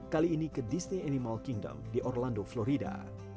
kali ini ke disney animal kingdom di orlando florida